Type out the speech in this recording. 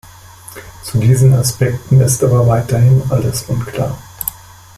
Zu diesen Aspekten ist aber weiterhin alles unklar.